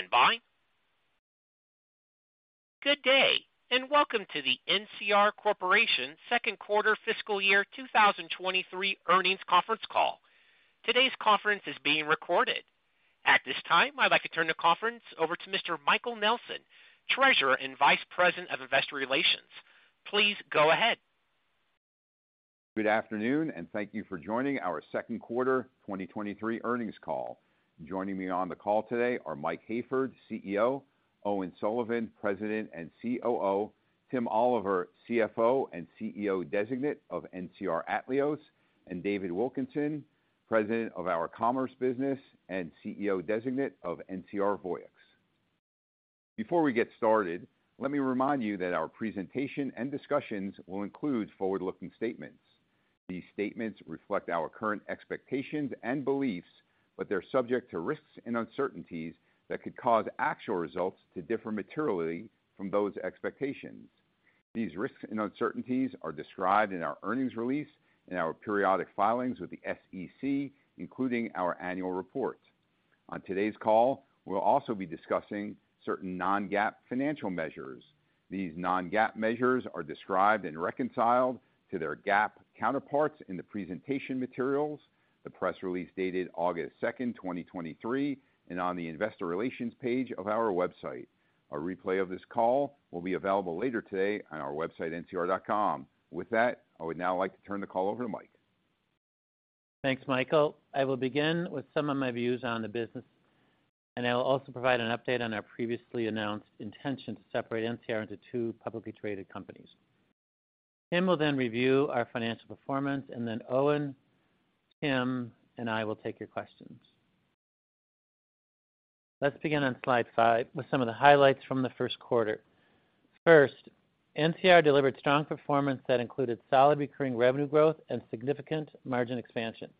Please stand by. Good day, welcome to the NCR Corporation Second Quarter Fiscal Year 2023 Earnings Conference Call. Today's conference is being recorded. At this time, I'd like to turn the conference over to Mr. Michael Nelson, Treasurer and Vice President of Investor Relations. Please go ahead. Good afternoon, thank you for joining our second quarter 2023 earnings call. Joining me on the call today are Mike Hayford, CEO; Owen Sullivan, President and COO; Tim Oliver, CFO, and CEO Designate of NCR Atleos; and David Wilkinson, President of our Commerce Business and CEO Designate of NCR Voyix. Before we get started, let me remind you that our presentation and discussions will include forward-looking statements. These statements reflect our current expectations and beliefs, they're subject to risks and uncertainties that could cause actual results to differ materially from those expectations. These risks and uncertainties are described in our earnings release, in our periodic filings with the SEC, including our annual reports. On today's call, we'll also be discussing certain non-GAAP financial measures. These non-GAAP measures are described and reconciled to their GAAP counterparts in the presentation materials, the press release dated August 2nd, 2023, and on the investor relations page of our website. A replay of this call will be available later today on our website, ncr.com. With that, I would now like to turn the call over to Mike. Thanks, Michael. I will begin with some of my views on the business. I will also provide an update on our previously announced intention to separate NCR into two publicly traded companies. Tim will then review our financial performance. Owen, Tim, and I will take your questions. Let's begin on slide five with some of the highlights from the 1st quarter. First, NCR delivered strong performance that included solid recurring revenue growth and significant margin expansion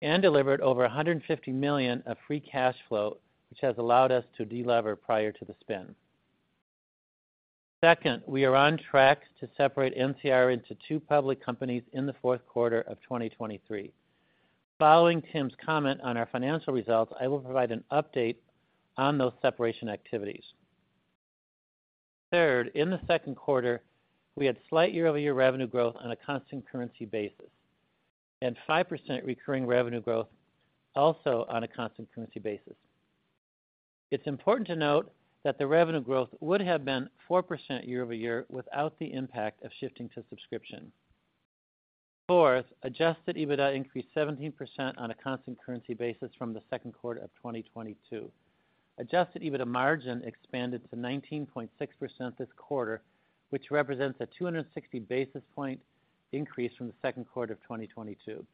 and delivered over $150 million of free cash flow, which has allowed us to delever prior to the spin. Second, we are on track to separate NCR into two public companies in the 4th quarter of 2023. Following Tim's comment on our financial results, I will provide an update on those separation activities. Third, in the second quarter, we had slight year-over-year revenue growth on a constant currency basis and 5% recurring revenue growth also on a constant currency basis. It's important to note that the revenue growth would have been 4% year-over-year without the impact of shifting to subscription. Fourth, adjusted EBITDA increased 17% on a constant currency basis from the second quarter of 2022. Adjusted EBITDA margin expanded to 19.6% this quarter, which represents a 260 basis point increase from the second quarter of 2022.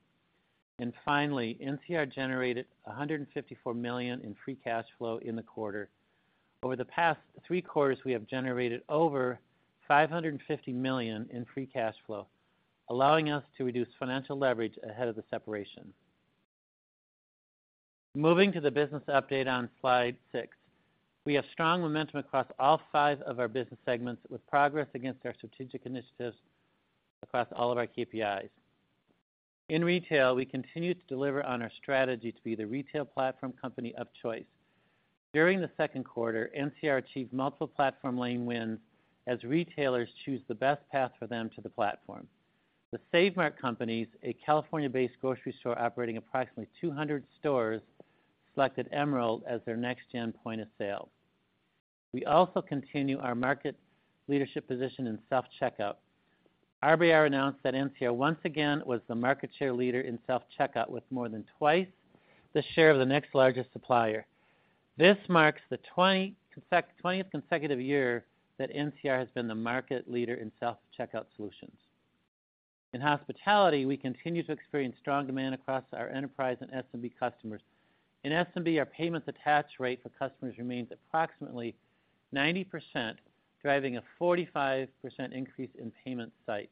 Finally, NCR generated $154 million in free cash flow in the quarter. Over the past three quarters, we have generated over $550 million in free cash flow, allowing us to reduce financial leverage ahead of the separation. Moving to the business update on Slide six, we have strong momentum across all five of our business segments, with progress against our strategic initiatives across all of our KPIs. In retail, we continue to deliver on our strategy to be the retail platform company of choice. During the second quarter, NCR achieved multiple platform lane wins as retailers choose the best path for them to the platform. The Save Mart Companies, a California-based grocery store operating approximately 200 stores, selected Emerald as their next-gen point-of-sale. We also continue our market leadership position in self-checkout. RBR announced that NCR once again was the market share leader in self-checkout, with more than twice the share of the next largest supplier. This marks the 20th consecutive year that NCR has been the market leader in self-checkout solutions. In hospitality, we continue to experience strong demand across our enterprise and SMB customers. In SMB, our payments attach rate for customers remains approximately 90%, driving a 45% increase in payment sites.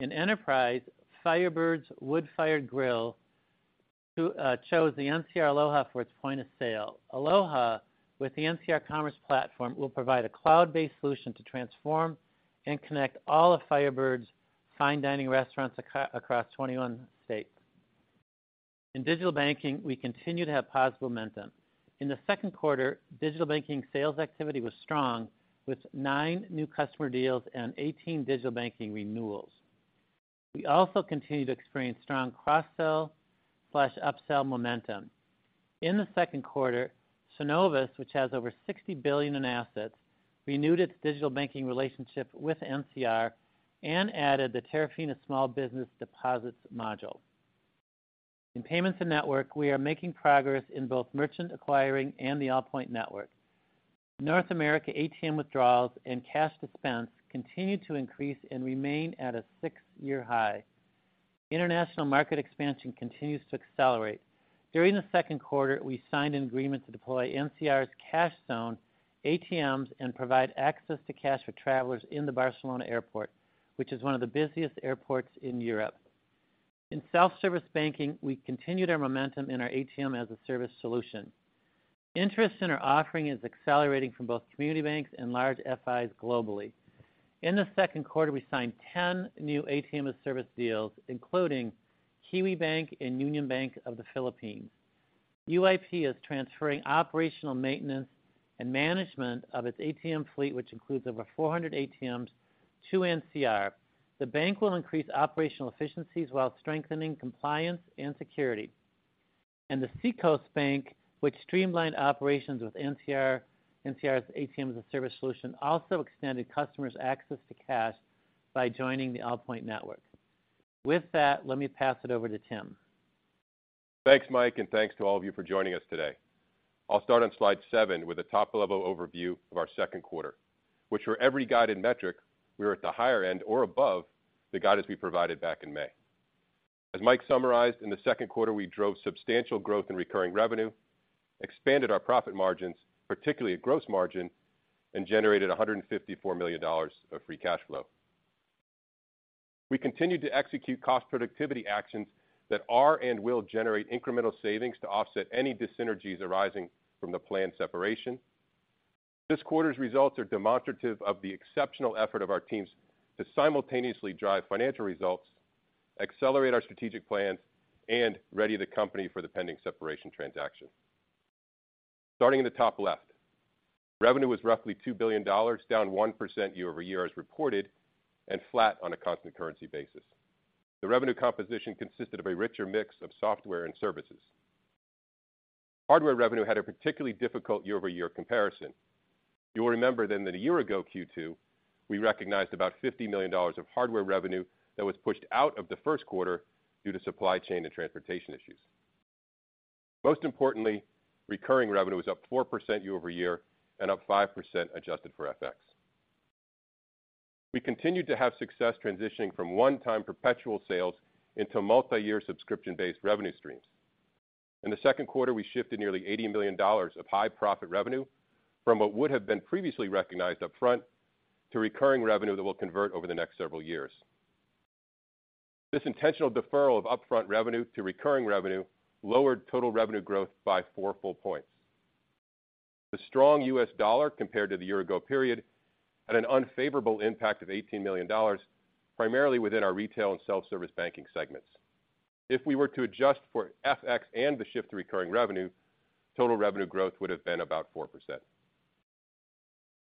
In Enterprise, Firebirds Wood Fired Grill chose the NCR Aloha for its point of sale. Aloha, with the NCR Commerce Platform, will provide a cloud-based solution to transform and connect all of Firebirds fine dining restaurants across 21 states. In digital banking, we continue to have positive momentum. In the second quarter, digital banking sales activity was strong, with nine new customer deals and 18 digital banking renewals. We also continue to experience strong cross-sell/upsell momentum. In the second quarter, Synovus, which has over $60 billion in assets, renewed its digital banking relationship with NCR and added the Terrafina Small Business Deposits module. In Payments and Network, we are making progress in both merchant acquiring and the Allpoint network. North America ATM withdrawals and cash dispense continue to increase and remain at a six-year high. International market expansion continues to accelerate. During the second quarter, we signed an agreement to deploy NCR Cashzone, ATMs, and provide access to cash for travelers in the Barcelona Airport, which is one of the busiest airports in Europe. In self-service banking, we continued our momentum in our ATM as a Service solution. Interest in our offering is accelerating from both community banks and large FIs globally. In the second quarter, we signed 10 new ATM as-a-Service deals, including Kiwibank and Union Bank of the Philippines. UIP is transferring operational maintenance and management of its ATM fleet, which includes over 400 ATMs, to NCR. The bank will increase operational efficiencies while strengthening compliance and security. The Seacoast Bank, which streamlined operations with NCR's ATM as a Service solution, also extended customers access to cash by joining the Allpoint network. With that, let me pass it over to Tim. Thanks, Mike, thanks to all of you for joining us today. I'll start on slide seven with a top-level overview of our second quarter, which for every guided metric, we are at the higher end or above the guidance we provided back in May. As Mike summarized, in the second quarter, we drove substantial growth in recurring revenue, expanded our profit margins, particularly at gross margin, and generated $154 million of free cash flow. We continued to execute cost productivity actions that are and will generate incremental savings to offset any dyssynergies arising from the planned separation. This quarter's results are demonstrative of the exceptional effort of our teams to simultaneously drive financial results, accelerate our strategic plans, and ready the company for the pending separation transaction. Starting in the top left, revenue was roughly $2 billion, down 1% year-over-year as reported, and flat on a constant currency basis. The revenue composition consisted of a richer mix of software and services. Hardware revenue had a particularly difficult year-over-year comparison. You'll remember then that a year ago, Q2, we recognized about $50 million of hardware revenue that was pushed out of the first quarter due to supply chain and transportation issues. Most importantly, recurring revenue was up 4% year-over-year and up 5% adjusted for FX. We continued to have success transitioning from one-time perpetual sales into multi-year subscription-based revenue streams. In the second quarter, we shifted nearly $80 million of high-profit revenue from what would have been previously recognized upfront to recurring revenue that will convert over the next several years. This intentional deferral of upfront revenue to recurring revenue lowered total revenue growth by 4 full points. The strong the U.S. dollar compared to the year-ago period, had an unfavorable impact of $18 million, primarily within our retail and self-service banking segments. If we were to adjust for FX and the shift to recurring revenue, total revenue growth would have been about 4%.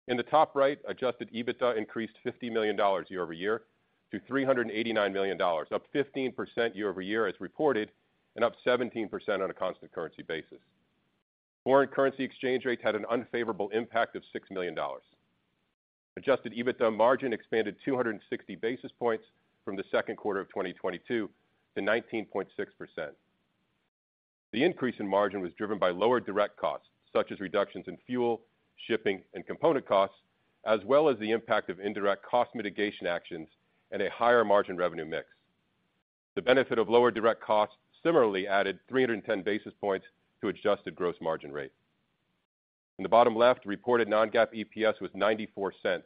In the top right, adjusted EBITDA increased $50 million year-over-year to $389 million, up 15% year-over-year as reported, and up 17% on a constant currency basis. Foreign currency exchange rates had an unfavorable impact of $6 million. Adjusted EBITDA margin expanded 260 basis points from the second quarter of 2022 to 19.6%. The increase in margin was driven by lower direct costs, such as reductions in fuel, shipping, and component costs, as well as the impact of indirect cost mitigation actions and a higher margin revenue mix. The benefit of lower direct costs similarly added 310 basis points to adjusted gross margin rate. In the bottom left, reported non-GAAP EPS was $0.94,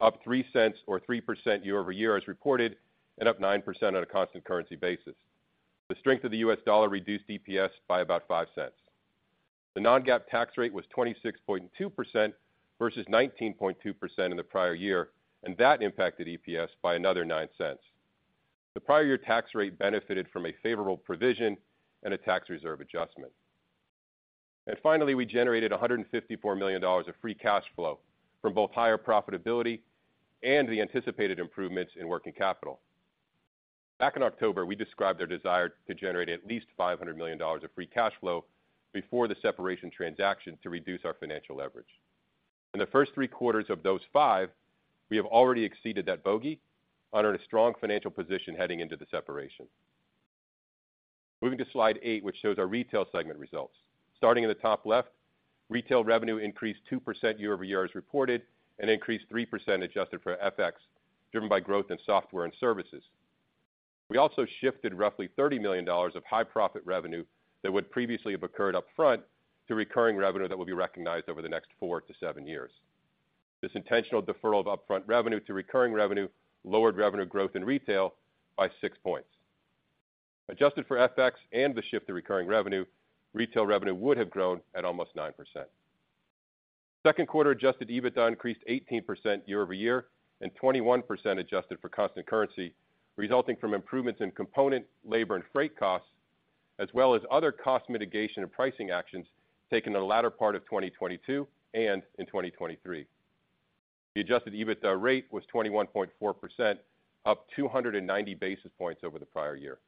up $0.03 or 3% year-over-year as reported, and up 9% on a constant currency basis. The strength of the U.S. dollar reduced EPS by about $0.05. The non-GAAP tax rate was 26.2% versus 19.2% in the prior year, and that impacted EPS by another $0.09. The prior year tax rate benefited from a favorable provision and a tax reserve adjustment. Finally, we generated $154 million of free cash flow from both higher profitability and the anticipated improvements in working capital. Back in October, we described our desire to generate at least $500 million of free cash flow before the separation transaction to reduce our financial leverage. In the first three quarters of those five, we have already exceeded that bogey under a strong financial position heading into the separation. Moving to slide eight, which shows our retail segment results. Starting in the top left, retail revenue increased 2% year-over-year as reported, and increased 3% adjusted for FX, driven by growth in software and services. We also shifted roughly $30 million of high-profit revenue that would previously have occurred upfront to recurring revenue that will be recognized over the next four to seven years. This intentional deferral of upfront revenue to recurring revenue lowered revenue growth in retail by 6 points. Adjusted for FX and the shift to recurring revenue, retail revenue would have grown at almost 9%. Second quarter adjusted EBITDA increased 18% year-over-year and 21% adjusted for constant currency, resulting from improvements in component, labor, and freight costs, as well as other cost mitigation and pricing actions taken in the latter part of 2022 and in 2023. The adjusted EBITDA rate was 21.4%, up 290 basis points over the prior year.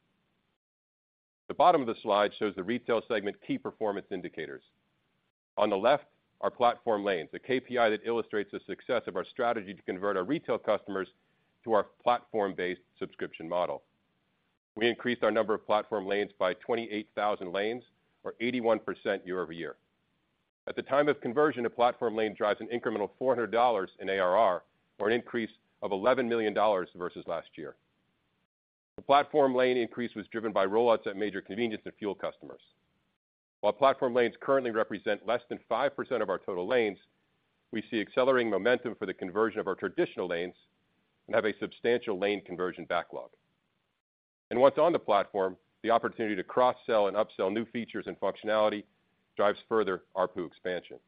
The bottom of the slide shows the retail segment key performance indicators. On the left, our platform lanes, a KPI that illustrates the success of our strategy to convert our retail customers to our platform-based subscription model. We increased our number of platform lanes by 28,000 lanes, or 81% year-over-year. At the time of conversion, a platform lane drives an incremental $400 in ARR or an increase of $11 million versus last year. The platform lane increase was driven by rollouts at major convenience and fuel customers. While platform lanes currently represent less than 5% of our total lanes, we see accelerating momentum for the conversion of our traditional lanes and have a substantial lane conversion backlog. Once on the platform, the opportunity to cross-sell and upsell new features and functionality drives further ARPU expansion.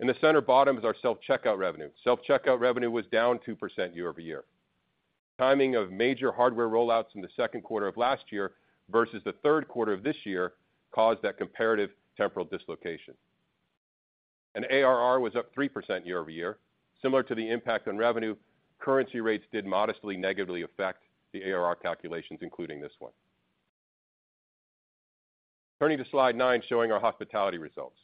In the center bottom is our self-checkout revenue. Self-checkout revenue was down 2% year-over-year. Timing of major hardware rollouts in the second quarter of last year versus the third quarter of this year caused that comparative temporal dislocation. ARR was up 3% year-over-year, similar to the impact on revenue, currency rates did modestly negatively affect the ARR calculations, including this one. Turning to slide nine, showing our hospitality results.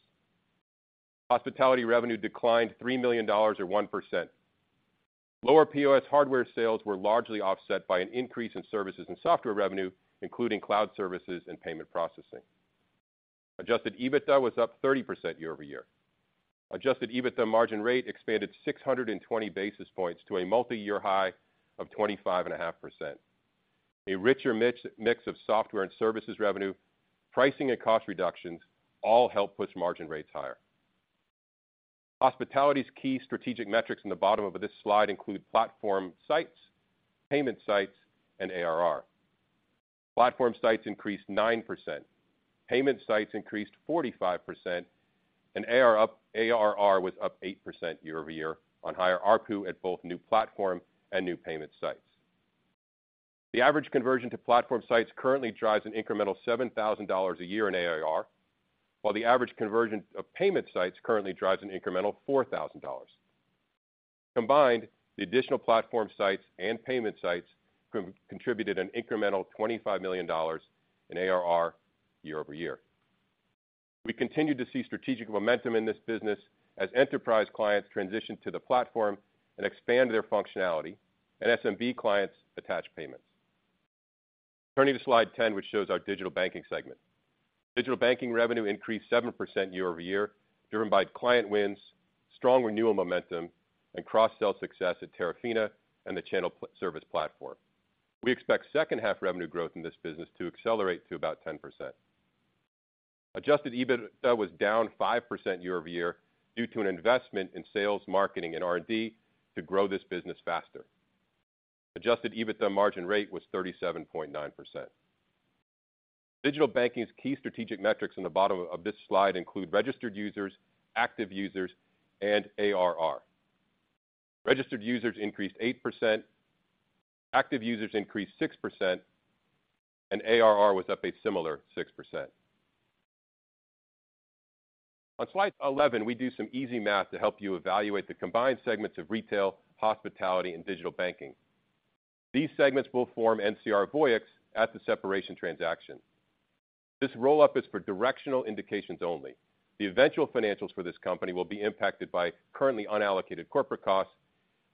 Hospitality revenue declined $3 million or 1%. Lower POS hardware sales were largely offset by an increase in services and software revenue, including cloud services and payment processing. Adjusted EBITDA was up 30% year-over-year. Adjusted EBITDA margin rate expanded 620 basis points to a multi-year high of 25.5%. A richer mix of software and services revenue, pricing and cost reductions, all help push margin rates higher. Hospitality's key strategic metrics in the bottom of this slide include platform sites, payment sites, and ARR. Platform sites increased 9%, payment sites increased 45%, AR up- ARR was up 8% year-over-year on higher ARPU at both new platform and new payment sites. The average conversion to platform sites currently drives an incremental $7,000 a year in ARR, while the average conversion of payment sites currently drives an incremental $4,000. Combined, the additional platform sites and payment sites contributed an incremental $25 million in ARR year-over-year. We continue to see strategic momentum in this business as enterprise clients transition to the platform and expand their functionality, and SMB clients attach payments. Turning to slide 10, which shows our digital banking segment. Digital banking revenue increased 7% year-over-year, driven by client wins, strong renewal momentum, and cross-sell success at Terrafina and the channel service platform. We expect second half revenue growth in this business to accelerate to about 10%. Adjusted EBITDA was down 5% year-over-year due to an investment in sales, marketing, and R&D to grow this business faster. Adjusted EBITDA margin rate was 37.9%. Digital banking's key strategic metrics in the bottom of this slide include registered users, active users, and ARR. Registered users increased 8%, active users increased 6%, and ARR was up a similar 6%. On slide 11, we do some easy math to help you evaluate the combined segments of retail, hospitality, and digital banking. These segments will form NCR Voyix at the separation transaction. This roll-up is for directional indications only. The eventual financials for this company will be impacted by currently unallocated corporate costs,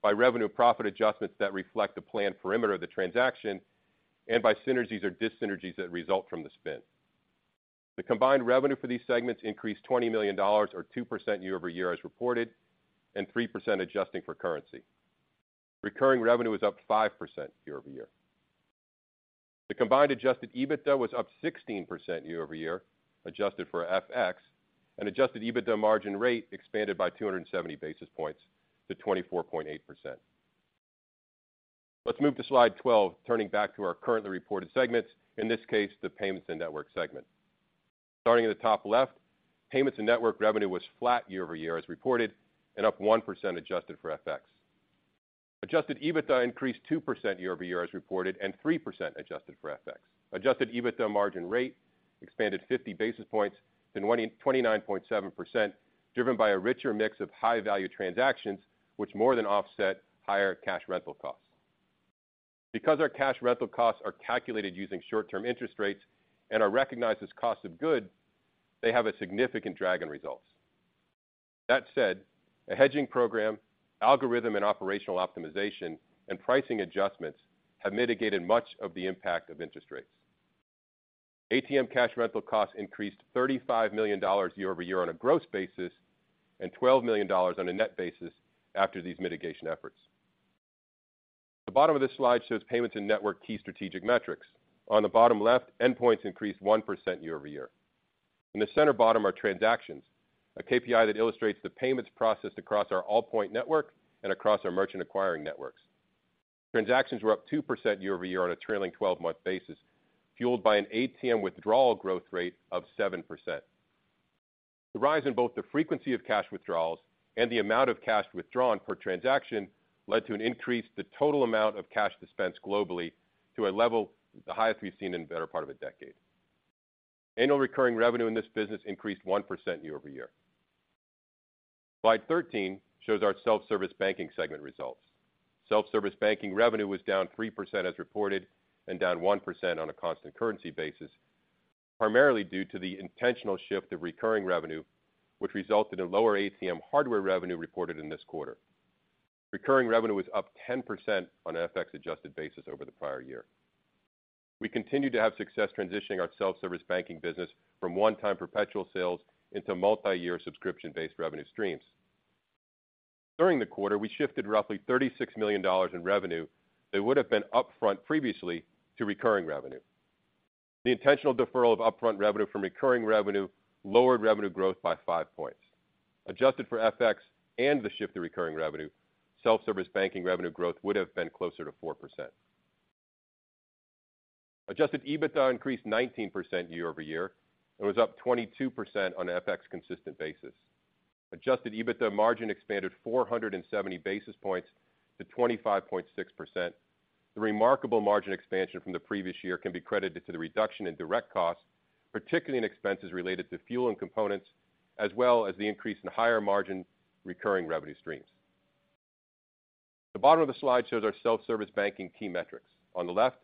by revenue profit adjustments that reflect the planned perimeter of the transaction, and by synergies or dis-synergies that result from the spin. The combined revenue for these segments increased $20 million or 2% year-over-year as reported, and 3% adjusting for currency. Recurring revenue was up 5% year-over-year. The combined adjusted EBITDA was up 16% year-over-year, adjusted for FX, and adjusted EBITDA margin rate expanded by 270 basis points to 24.8%. Let's move to slide 12, turning back to our currently reported segments, in this case, the payments and network segment. Starting at the top left, payments and network revenue was flat year-over-year as reported, and up 1% adjusted for FX. Adjusted EBITDA increased 2% year-over-year as reported, and 3% adjusted for FX. Adjusted EBITDA margin rate expanded 50 basis points to 29.7%, driven by a richer mix of high-value transactions, which more than offset higher cash rental costs. Because our cash rental costs are calculated using short-term interest rates and are recognized as cost of good, they have a significant drag in results. That said, a hedging program, algorithm and operational optimization, and pricing adjustments have mitigated much of the impact of interest rates. ATM cash rental costs increased $35 million year-over-year on a gross basis and $12 million on a net basis after these mitigation efforts. The bottom of this slide shows payments and network key strategic metrics. On the bottom left, endpoints increased 1% year-over-year. In the center bottom are transactions, a KPI that illustrates the payments processed across our Allpoint network and across our merchant acquiring networks. Transactions were up 2% year-over-year on a trailing twelve-month basis, fueled by an ATM withdrawal growth rate of 7%. The rise in both the frequency of cash withdrawals and the amount of cash withdrawn per transaction led to an increase the total amount of cash dispensed globally to a level, the highest we've seen in the better part of a decade. Annual recurring revenue in this business increased 1% year-over-year. Slide 13 shows our self-service banking segment results. Self-service banking revenue was down 3% as reported, and down 1% on a constant currency basis, primarily due to the intentional shift of recurring revenue, which resulted in lower ATM hardware revenue reported in this quarter. Recurring revenue was up 10% on an FX-adjusted basis over the prior year. We continued to have success transitioning our self-service banking business from one-time perpetual sales into multi-year subscription-based revenue streams. During the quarter, we shifted roughly $36 million in revenue that would have been upfront previously to recurring revenue. The intentional deferral of upfront revenue from recurring revenue lowered revenue growth by five points. Adjusted for FX and the shift to recurring revenue, self-service banking revenue growth would have been closer to 4%. Adjusted EBITDA increased 19% year-over-year, and was up 22% on an FX-consistent basis. Adjusted EBITDA margin expanded 470 basis points to 25.6%. The remarkable margin expansion from the previous year can be credited to the reduction in direct costs, particularly in expenses related to fuel and components, as well as the increase in higher margin recurring revenue streams. The bottom of the slide shows our self-service banking key metrics. On the left,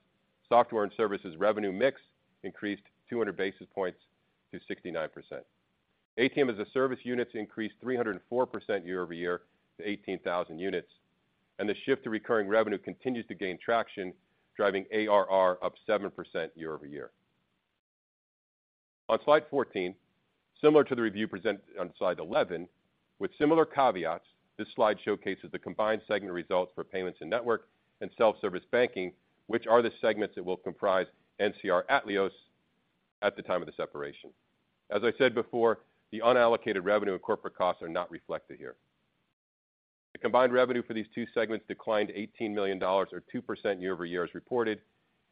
software and services revenue mix increased 200 basis points to 69%. ATM as a Service units increased 304% year-over-year to 18,000 units, the shift to recurring revenue continues to gain traction, driving ARR up 7% year-over-year. On slide 14, similar to the review presented on slide 11, with similar caveats, this slide showcases the combined segment results for payments and network and self-service banking, which are the segments that will comprise NCR Atleos at the time of the separation. As I said before, the unallocated revenue and corporate costs are not reflected here. The combined revenue for these two segments declined $18 million, or 2% year-over-year as reported,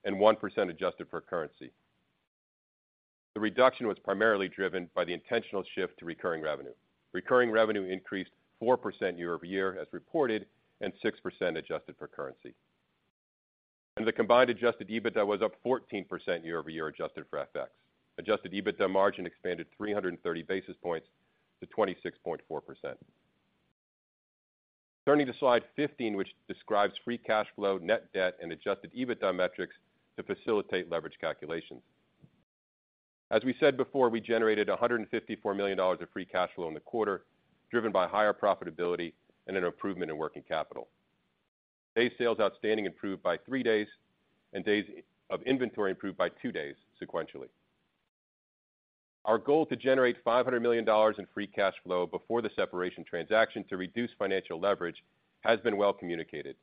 and 1% adjusted for currency. The reduction was primarily driven by the intentional shift to recurring revenue. Recurring revenue increased 4% year-over-year as reported, and 6% adjusted for currency. The combined adjusted EBITDA was up 14% year-over-year, adjusted for FX. Adjusted EBITDA margin expanded 330 basis points to 26.4%. Turning to slide 15, which describes free cash flow, net debt, and adjusted EBITDA metrics to facilitate leverage calculations. As we said before, we generated $154 million of free cash flow in the quarter, driven by higher profitability and an improvement in working capital. Day sales outstanding improved by three days, and days of inventory improved by two days sequentially. Our goal to generate $500 million in free cash flow before the separation transaction to reduce financial leverage has been well communicated.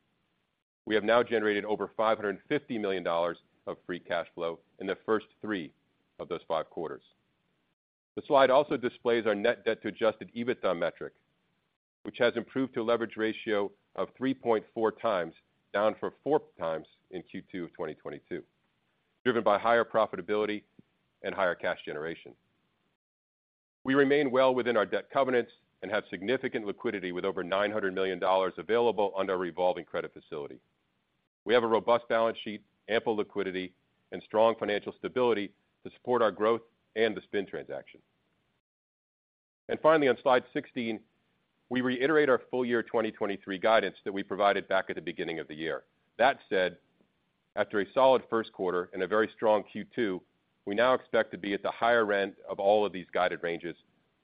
We have now generated over $550 million of free cash flow in the first three of those five quarters. The slide also displays our net debt to adjusted EBITDA metric, which has improved to a leverage ratio of 3.4x, down from 4x in Q2 of 2022, driven by higher profitability and higher cash generation. We remain well within our debt covenants and have significant liquidity with over $900 million available under our revolving credit facility. We have a robust balance sheet, ample liquidity, and strong financial stability to support our growth and the spin transaction. Finally, on slide 16, we reiterate our full year 2023 guidance that we provided back at the beginning of the year. That said, after a solid first quarter and a very strong Q2, we now expect to be at the higher end of all of these guided ranges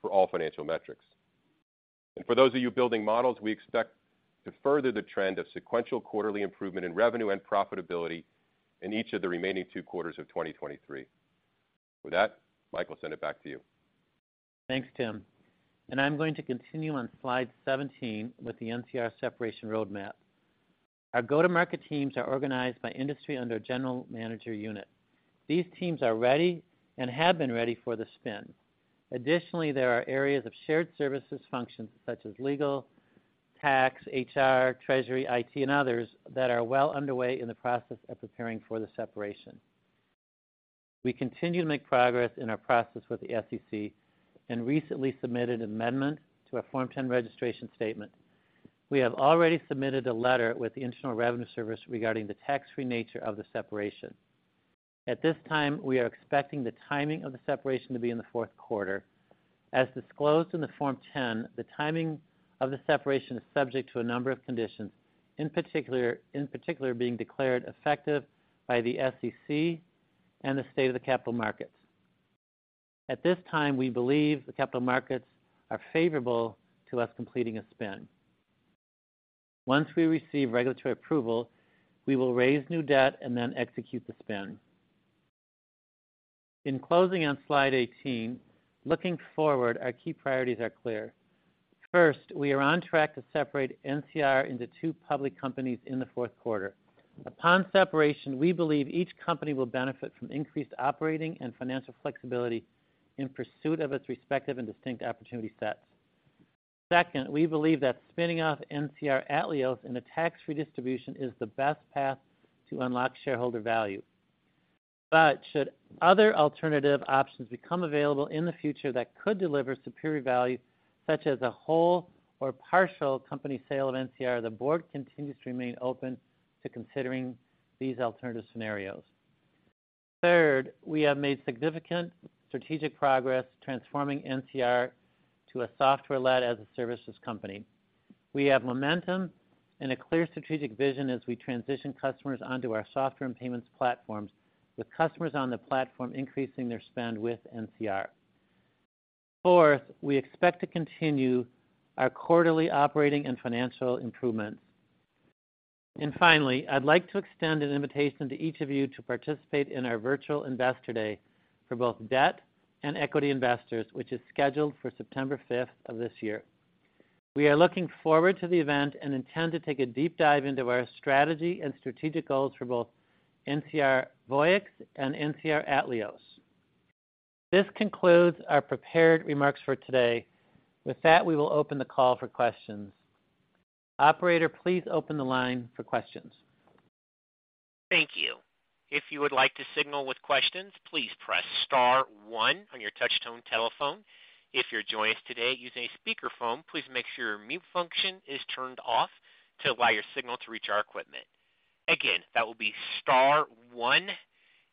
for all financial metrics. For those of you building models, we expect to further the trend of sequential quarterly improvement in revenue and profitability in each of the remaining two quarters of 2023. With that, Mike, I'll send it back to you. Thanks, Tim. I'm going to continue on slide 17 with the NCR separation roadmap. Our go-to-market teams are organized by industry under a general manager unit. These teams are ready and have been ready for the spin. Additionally, there are areas of shared services functions such as legal, tax, HR, treasury, IT, and others that are well underway in the process of preparing for the separation. We continue to make progress in our process with the SEC, and recently submitted an amendment to our Form 10 registration statement. We have already submitted a letter with the Internal Revenue Service regarding the tax-free nature of the separation. At this time, we are expecting the timing of the separation to be in the 4th quarter. As disclosed in the Form 10, the timing of the separation is subject to a number of conditions, in particular, in particular, being declared effective by the SEC and the state of the capital markets. At this time, we believe the capital markets are favorable to us completing a spin. Once we receive regulatory approval, we will raise new debt and then execute the spin. In closing on slide 18, looking forward, our key priorities are clear. First, we are on track to separate NCR into two public companies in the fourth quarter. Upon separation, we believe each company will benefit from increased operating and financial flexibility in pursuit of its respective and distinct opportunity sets. Second, we believe that spinning off NCR Atleos in a tax-free distribution is the best path to unlock shareholder value. Should other alternative options become available in the future that could deliver superior value, such as a whole or partial company sale of NCR, the board continues to remain open to considering these alternative scenarios. Third, we have made significant strategic progress transforming NCR to a software-led as a services company. We have momentum and a clear strategic vision as we transition customers onto our software and payments platforms, with customers on the platform increasing their spend with NCR. Fourth, we expect to continue our quarterly operating and financial improvements. Finally, I'd like to extend an invitation to each of you to participate in our virtual Investor Day for both debt and equity investors, which is scheduled for September 5th of this year. We are looking forward to the event and intend to take a deep dive into our strategy and strategic goals for both NCR Voyix and NCR Atleos. This concludes our prepared remarks for today. With that, we will open the call for questions. Operator, please open the line for questions. Thank you. If you would like to signal with questions, please press star one on your touchtone telephone. If you're joining us today using a speakerphone, please make sure your mute function is turned off to allow your signal to reach our equipment. Again, that will be star one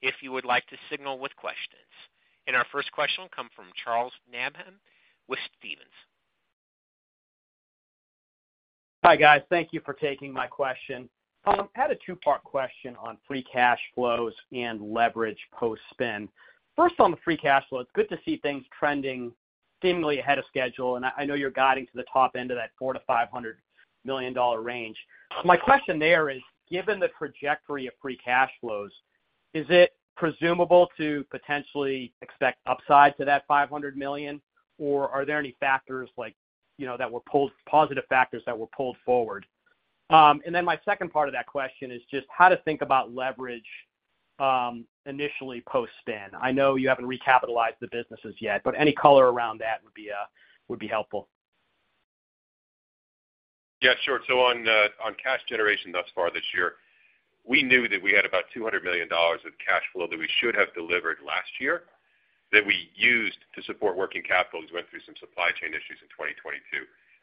if you would like to signal with questions. Our first question will come from Charles Nabhan with Stephens. Hi, guys. Thank you for taking my question. I had a two-part question on free cash flows and leverage post-spin. First, on the free cash flow, it's good to see things trending seemingly ahead of schedule, and I, I know you're guiding to the top end of that $400 million-$500 million range. My question there is, given the trajectory of free cash flows, is it presumable to potentially expect upside to that $500 million, or are there any factors like, you know, positive factors that were pulled forward? My second part of that question is just how to think about leverage initially post-spin. I know you haven't recapitalized the businesses yet, but any color around that would be helpful. Yeah, sure. On cash generation thus far this year, we knew that we had about $200 million of cash flow that we should have delivered last year, that we used to support working capital, as we went through some supply chain issues in 2022.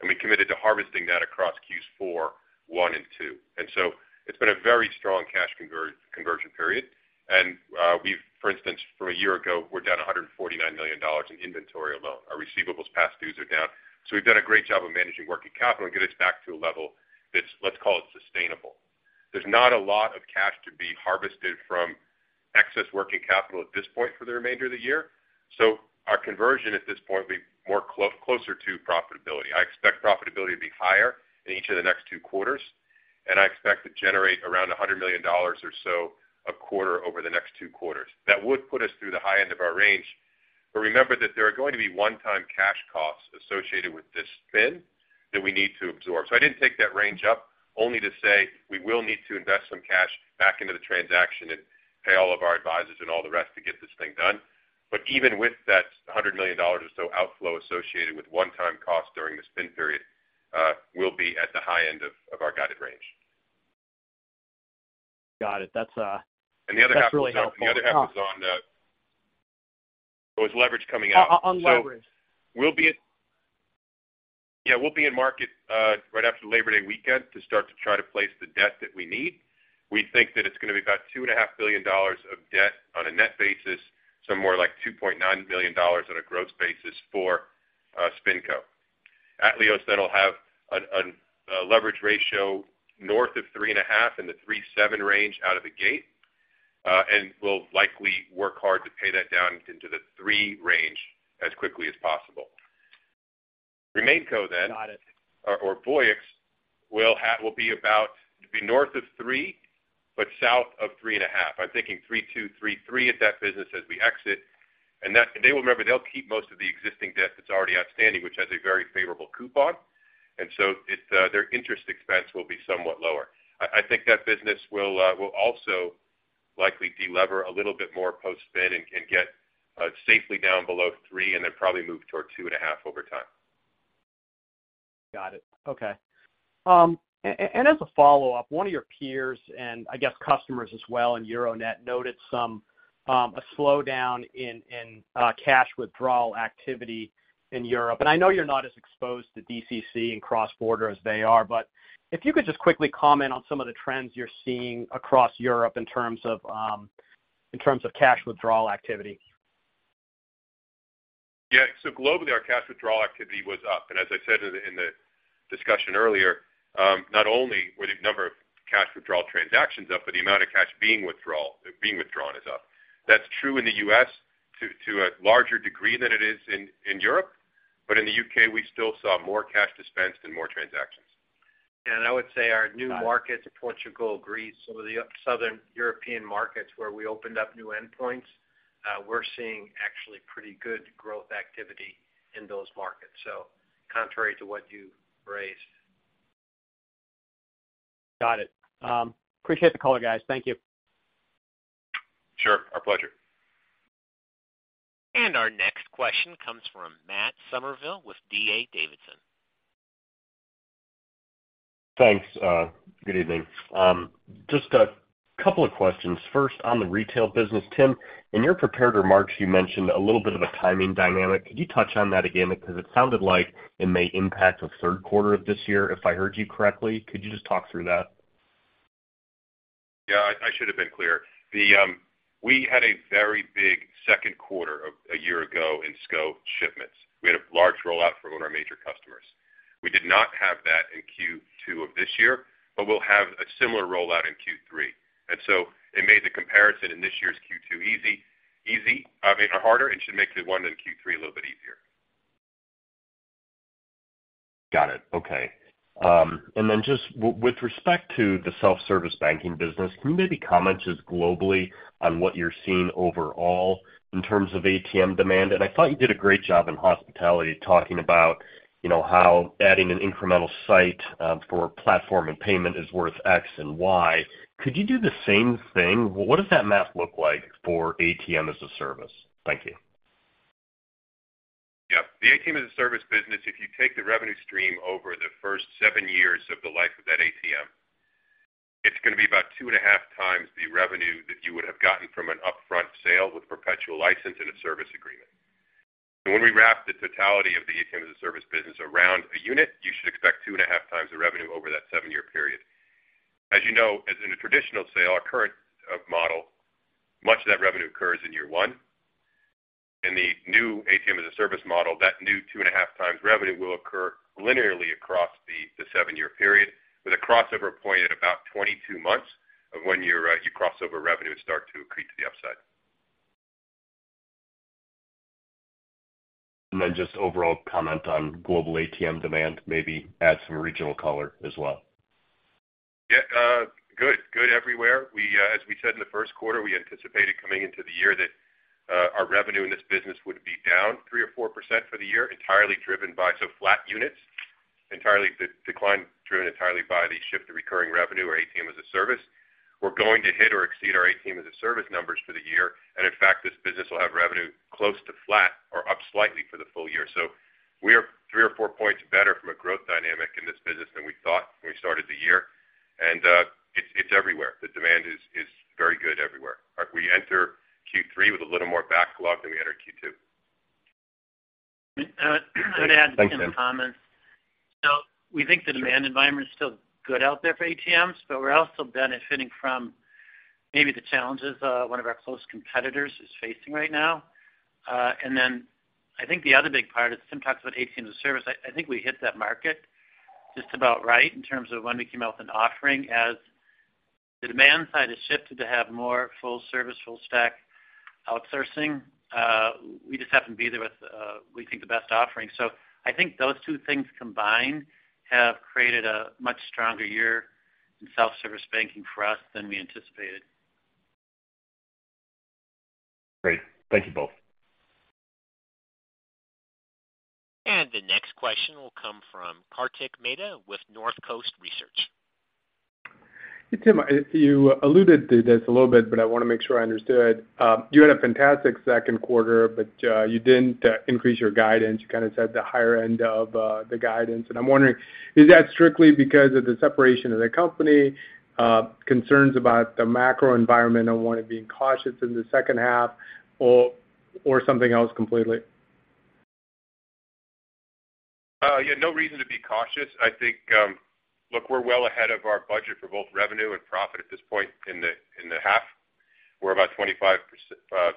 We committed to harvesting that across Q4, Q1, and Q2. It's been a very strong cash conversion period. We've, for instance, from a year ago, we're down $149 million in inventory alone. Our receivables past dues are down. We've done a great job of managing working capital and get us back to a level that's, let's call it, sustainable. There's not a lot of cash to be harvested from excess working capital at this point for the remainder of the year. Our conversion at this point will be more closer to profitability. I expect profitability to be higher in each of the next two quarters, and I expect to generate around $100 million or so a quarter over the next two quarters. That would put us through the high end of our range. Remember that there are going to be one-time cash costs associated with this spin that we need to absorb. I didn't take that range up, only to say we will need to invest some cash back into the transaction and pay all of our advisors and all the rest to get this thing done. Even with that $100 million or so outflow associated with one-time costs during the spin period, we'll be at the high end of our guided range. Got it. That's. the other That's really helpful. The other half is on. It's leverage coming up. On, on leverage. Yeah, we'll be in market right after Labor Day weekend to start to try to place the debt that we need. We think that it's going to be about $2.5 billion of debt on a net basis, so more like $2.9 million on a gross basis for SpinCo. Atleos will have a leverage ratio north of 3.5 in the 3.7 range out of the gate and will likely work hard to pay that down into the 3 range as quickly as possible. RemainCo then. Got it. Voyix will be about to be north of three, but south of 3.5. I'm thinking 3.2, 3.3 at that business as we exit. They will remember, they'll keep most of the existing debt that's already outstanding, which has a very favorable coupon, and so it, their interest expense will be somewhat lower. I think that business will also likely delever a little bit more post-spin and get safely down below three, and then probably move toward 2.5 over time. Got it. Okay. As a follow-up, one of your peers, and I guess customers as well in Euronet, noted some a slowdown in, in cash withdrawal activity in Europe. I know you're not as exposed to DCC and cross-border as they are, but if you could just quickly comment on some of the trends you're seeing across Europe in terms of, in terms of cash withdrawal activity. Yeah. Globally, our cash withdrawal activity was up. As I said in the discussion earlier, not only were the number of cash withdrawal transactions up, but the amount of cash being withdrawn is up. That's true in the U.S. to a larger degree than it is in Europe, in the U.K., we still saw more cash dispensed and more transactions. I would say our new markets, Portugal, Greece, some of the up southern European markets where we opened up new endpoints, we're seeing actually pretty good growth activity in those markets. Contrary to what you raised. Got it. Appreciate the call, guys. Thank you. Sure, our pleasure. Our next question comes from Matt Summerville with D.A. Davidson. Thanks. Good evening. Just a couple of questions. First, on the retail business. Tim, in your prepared remarks, you mentioned a little bit of a timing dynamic. Could you touch on that again? Because it sounded like it may impact the third quarter of this year, if I heard you correctly. Could you just talk through that? Yeah, I should have been clear. The, we had a very big second quarter of a year ago in SCO shipments. We had a large rollout from one of our major customers. We did not have that in Q2 of this year, but we'll have a similar rollout in Q3. So it made the comparison in this year's Q2 easy, I mean, or harder, and should make the one in Q3 a little bit easier. Okay. Then just with respect to the self-service banking business, can you maybe comment just globally on what you're seeing overall in terms of ATM demand? I thought you did a great job in hospitality, talking about, you know, how adding an incremental site for platform and payment is worth X and Y. Could you do the same thing? What does that math look like for ATM as a Service? Thank you. Yeah, the ATM as a Service business, if you take the revenue stream over the first seven years of the life of that ATM, it's gonna be about 2.5x the revenue that you would have gotten from an upfront sale with perpetual license and a service agreement. When we wrap the totality of the ATM as a Service business around a unit, you should expect 2.5x the revenue over that seven-year period. As you know, as in a traditional sale, our current model, much of that revenue occurs in year one. In the new ATM as a Service model, that new 2.5 times revenue will occur linearly across the seven-year period, with a crossover point at about 22 months of when your you crossover revenue start to accrete to the upside. Just overall comment on global ATM demand, maybe add some regional color as well. Yeah, good. Good everywhere. We, as we said in the first quarter, we anticipated coming into the year that our revenue in this business would be down 3% or 4% for the year, entirely driven by so flat units, entirely declined, driven entirely by the shift to recurring revenue or ATM as a Service. We're going to hit or exceed our ATM as a Service numbers for the year. In fact, this business will have revenue close to flat or up slightly for the full year. We are 3 or 4 points better from a growth dynamic in this business than we thought when we started the year. It's everywhere. The demand is very good everywhere. We enter Q3 with a little more backlog than we enter Q2. Good to add some comments. Thanks, Tim. We think the demand environment is still good out there for ATMs, but we're also benefiting from maybe the challenges, one of our close competitors is facing right now. I think the other big part is Tim Oliver talks about ATM as a Service. I think we hit that market just about right in terms of when we came out with an offering. As the demand side has shifted to have more full service, full stack outsourcing, we just happen to be there with, we think the best offering. I think those two things combined have created a much stronger year in self-service banking for us than we anticipated. Great. Thank you both. The next question will come from Kartik Mehta with Northcoast Research. Hey, Tim, you alluded to this a little bit, but I wanna make sure I understood. You had a fantastic second quarter, but you didn't increase your guidance. You kind of said the higher end of the guidance, and I'm wondering, is that strictly because of the separation of the company, concerns about the macro environment and wanting to being cautious in the second half or something else completely? Yeah, no reason to be cautious. I think, look, we're well ahead of our budget for both revenue and profit at this point in the, in the half. We're about $25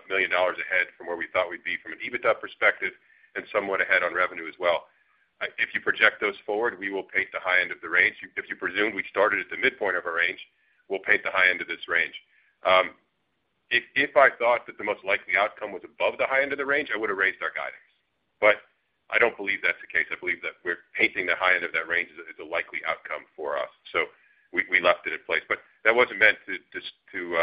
million ahead from where we thought we'd be from an EBITDA perspective, somewhat ahead on revenue as well. If you project those forward, we will paint the high end of the range. If you presume we started at the midpoint of our range, we'll paint the high end of this range. If, if I thought that the most likely outcome was above the high end of the range, I would have raised our guidance, I don't believe that's the case. I believe that we're painting the high end of that range is a, is a likely outcome for us, so we, we left it in place. That wasn't meant to just, to,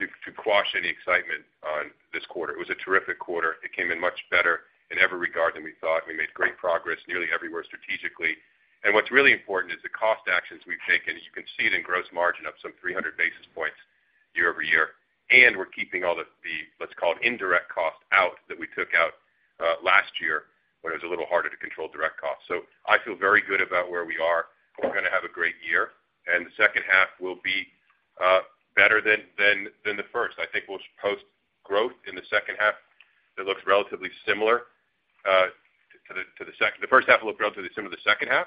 to quash any excitement on this quarter. It was a terrific quarter. It came in much better in every regard than we thought. We made great progress nearly everywhere strategically. What's really important is the cost actions we've taken. You can see it in gross margin up some 300 basis points year-over-year, and we're keeping all the, the, let's call it, indirect costs out that we took out last year, when it was a little harder to control direct costs. I feel very good about where we are. We're gonna have a great year, and the second half will be better than, than, than the first. I think we'll post growth in the second half that looks relatively similar, the first half will look relatively similar to the second half.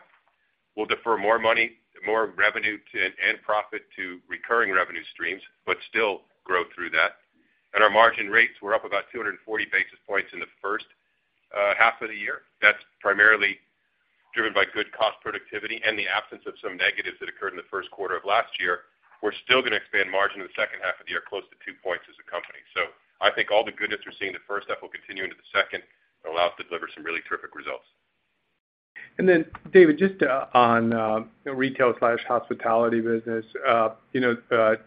We'll defer more money, more revenue to, and profit to recurring revenue streams, but still grow through that. Our margin rates were up about 240 basis points in the first half of the year. That's primarily driven by good cost productivity and the absence of some negatives that occurred in the first quarter of last year. We're still gonna expand margin in the second half of the year, close to 2 points as a company. I think all the goodness we're seeing in the first half will continue into the second and allow us to deliver some really terrific results. David, just on retail/hospitality business, you know,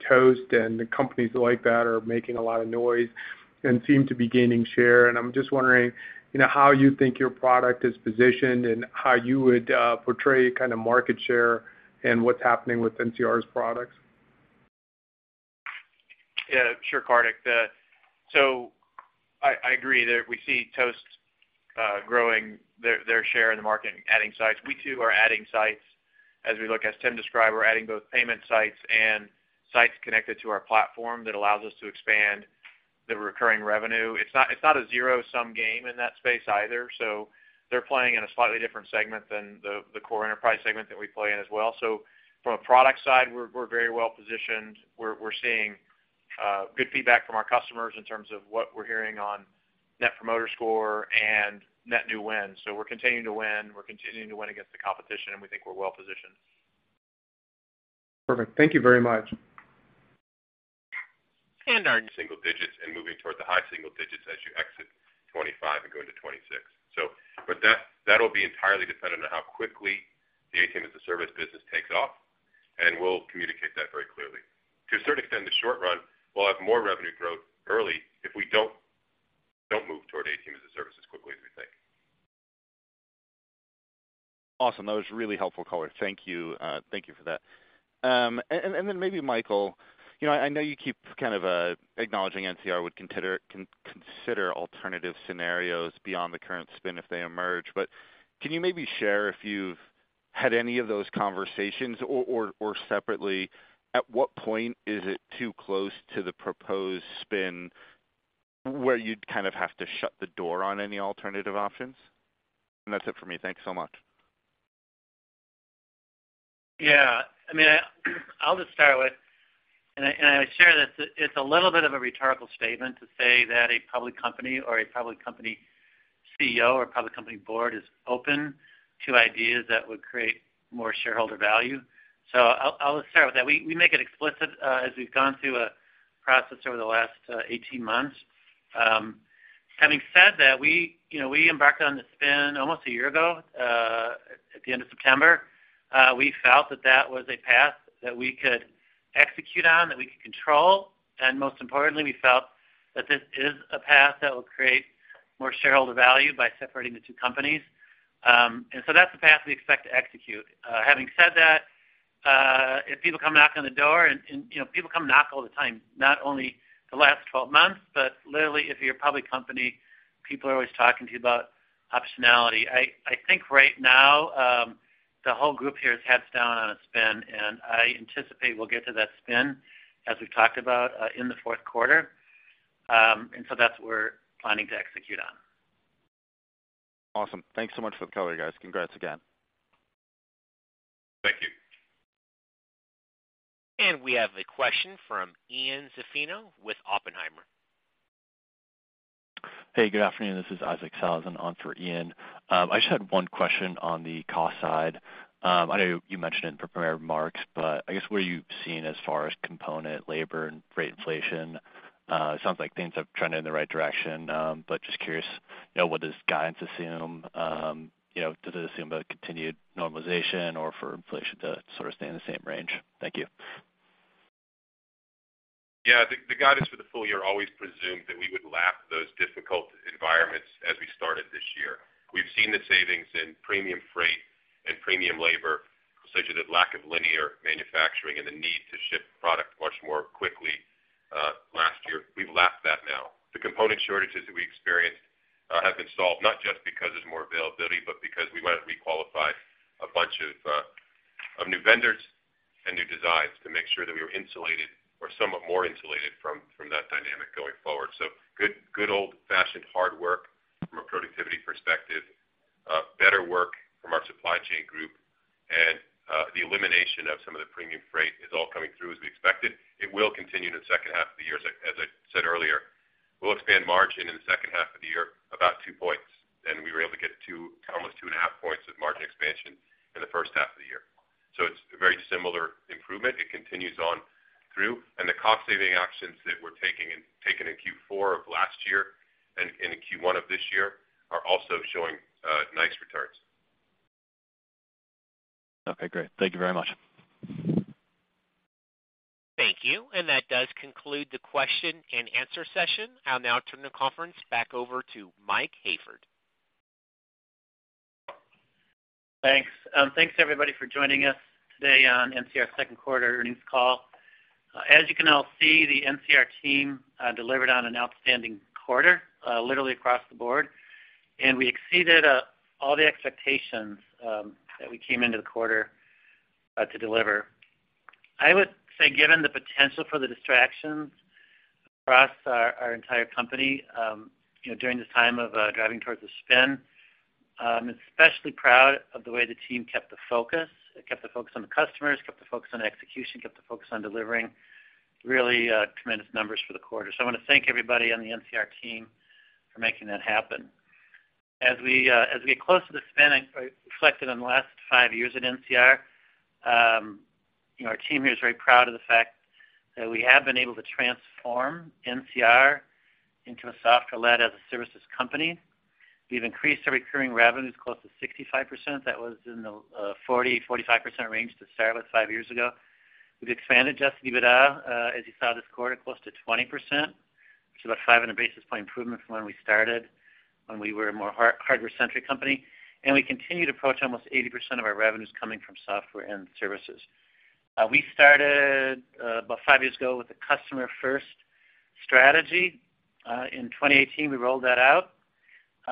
Toast and the companies like that are making a lot of noise and seem to be gaining share. I'm just wondering, you know, how you think your product is positioned and how you would portray kind of market share and what's happening with NCR's products? Yeah, sure, Kartik. I, I agree that we see Toast growing their, their share in the market and adding sites. We, too, are adding sites. As we look, as Tim described, we're adding both payment sites and sites connected to our platform that allows us to expand the recurring revenue. It's not, it's not a zero-sum game in that space either, they're playing in a slightly different segment than the, the core enterprise segment that we play in as well. From a product side, we're, we're very well positioned. We're, we're seeing good feedback from our customers in terms of what we're hearing on Net Promoter Score and net new wins. We're continuing to win, we're continuing to win against the competition, and we think we're well positioned. Perfect. Thank you very much. ... and our single digits and moving toward the high single digits as you exit 2025 and go into 2026. But that, that will be entirely dependent on how quickly the ATM-as-a-Service business takes off, and we'll communicate that very clearly. To a certain extent, in the short run, we'll have more revenue growth early if we don't, don't move toward ATM-as-a-Service as quickly as we think. Awesome. That was really helpful color. Thank you. Thank you for that. Then maybe Michael, you know, I know you keep kind of, acknowledging NCR would consider alternative scenarios beyond the current spin if they emerge, but can you maybe share if you've had any of those conversations, or separately, at what point is it too close to the proposed spin where you'd kind of have to shut the door on any alternative options? That's it for me. Thanks so much. Yeah. I mean, I'll just start with, and I, and I share this, it's a little bit of a rhetorical statement to say that a public company or a public company CEO or a public company board is open to ideas that would create more shareholder value. I'll, I'll start with that. We, we make it explicit, as we've gone through a process over the last 18 months. Having said that, we, you know, we embarked on the spin almost a year ago, at the end of September. We felt that that was a path that we could execute on, that we could control, and most importantly, we felt that this is a path that will create more shareholder value by separating the two companies. That's the path we expect to execute. Having said that, if people come knock on the door, and you know, people come knock all the time, not only the last 12 months, but literally, if you're a public company, people are always talking to you about optionality. I, I think right now, the whole group here is heads down on a spin, and I anticipate we'll get to that spin, as we talked about, in the fourth quarter. So that's what we're planning to execute on. Awesome. Thanks so much for the color, guys. Congrats again. Thank you. We have a question from Ian Zaffino with Oppenheimer. Hey, good afternoon, this is Isaac Sellhausen on for Ian. I just had one question on the cost side. I know you mentioned it in prepared remarks, I guess, where are you seeing as far as component, labor and rate inflation? It sounds like things are trending in the right direction, just curious, you know, what does guidance assume? You know, does it assume a continued normalization or for inflation to sort of stay in the same range? Thank you. The, the guidance for the full year always presumed that we would lap those difficult environments as we started this year. We've seen the savings in premium freight and premium labor, such as that lack of linear manufacturing and the need to ship product much more quickly, last year. We've lapped that now. The component shortages that we experienced, have been solved, not just because there's more availability, but because we went and requalified a bunch of, of new vendors and new designs to make sure that we were insulated or somewhat more insulated from, from that dynamic going forward. Good, good old-fashioned hard work from a productivity perspective, better work from our supply chain group, and, the elimination of some of the premium freight is all coming through as we expected. It will continue in the second half of the year. As I said earlier, we'll expand margin in the second half of the year about 2 points, and we were able to get 2, almost 2.5 points of margin expansion in the first half of the year. It's a very similar improvement. It continues on through. The cost saving actions that we're taking and taken in Q4 of last year and in Q1 of this year are also showing nice returns. Okay, great. Thank you very much. Thank you. That does conclude the question and answer session. I'll now turn the conference back over to Mike Hayford. Thanks. Thanks, everybody, for joining us today on NCR's second quarter earnings call. As you can all see, the NCR team delivered on an outstanding quarter, literally across the board, and we exceeded all the expectations that we came into the quarter to deliver. I would say, given the potential for the distractions across our, our entire company, you know, during this time of driving towards the spin, I'm especially proud of the way the team kept the focus. It kept the focus on the customers, kept the focus on execution, kept the focus on delivering really tremendous numbers for the quarter. I want to thank everybody on the NCR team for making that happen. As we get close to the spin, I reflected on the last five years at NCR. You know, our team here is very proud of the fact that we have been able to transform NCR into a software-led as a services company. We've increased our recurring revenues close to 65%. That was in the 40%-45% range to start with five years ago. We've expanded adjusted EBITDA, as you saw this quarter, close to 20%, which is about 500 basis point improvement from when we started, when we were a more hardware-centric company. We continue to approach almost 80% of our revenues coming from software and services. We started about five years ago with a customer-first strategy. In 2018, we rolled that out.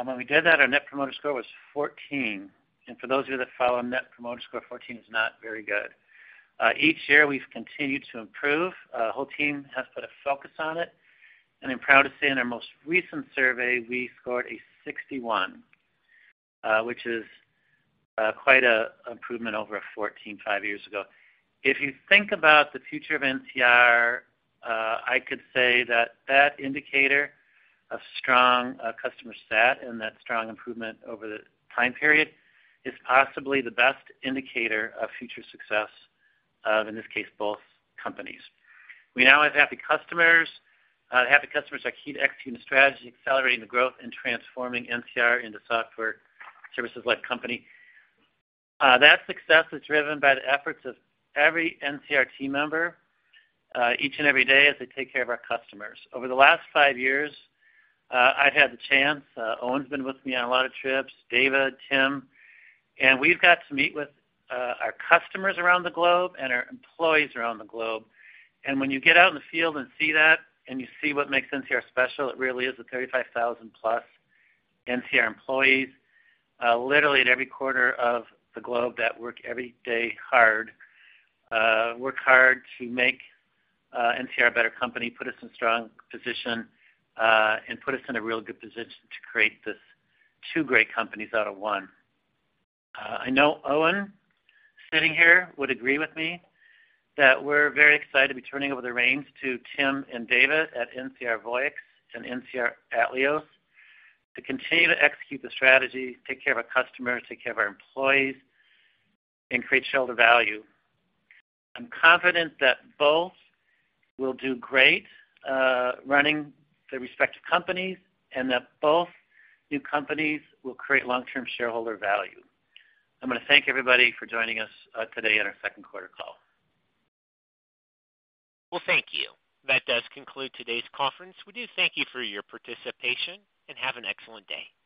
When we did that, our Net Promoter Score was 14, and for those of you that follow Net Promoter Score, 14 is not very good. each year, we've continued to improve. The whole team has put a focus on it, and I'm proud to say in our most recent survey, we scored a 61, which is quite an improvement over a 14, five years ago. If you think about the future of NCR, I could say that that indicator of strong customer sat and that strong improvement over the time period is possibly the best indicator of future success of, in this case, both companies. We now have happy customers. Happy customers are key to executing the strategy, accelerating the growth, and transforming NCR into software services-led company. That success is driven by the efforts of every NCR team member, each and every day as they take care of our customers. Over the last five years, I've had the chance, Owen's been with me on a lot of trips, David, Tim, and we've got to meet with our customers around the globe and our employees around the globe. When you get out in the field and see that, and you see what makes NCR special, it really is the 35,000-plus NCR employees, literally in every quarter of the globe that work every day hard. Work hard to make NCR a better company, put us in strong position, and put us in a real good position to create this two great companies out of one. I know Owen Sullivan, sitting here, would agree with me that we're very excited to be turning over the reins to Tim Oliver and David Wilkinson at NCR Voyix and NCR Atleos to continue to execute the strategy, take care of our customers, take care of our employees, and create shareholder value. I'm confident that both will do great running their respective companies, and that both new companies will create long-term shareholder value. I'm going to thank everybody for joining us today on our second quarter call. Well, thank you. That does conclude today's conference. We do thank you for your participation and have an excellent day.